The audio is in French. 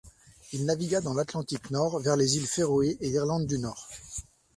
Il navigua dans l'Atlantique Nord, vers les îles Féroé et l'Irlande du Nord.